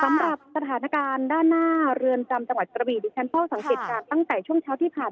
สำหรับสถานการณ์ด้านหน้าเรือนจำจังหวัดกระบีดิฉันเฝ้าสังเกตการณ์ตั้งแต่ช่วงเช้าที่ผ่าน